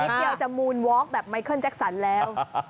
เดียวจะมูลวอล์กแบบไมเคิลแจ็คสันแล้ว